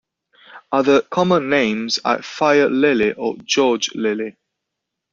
Other common names are fire lily or George lily.